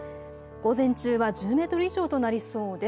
午前中は１０メートル以上となりそうです。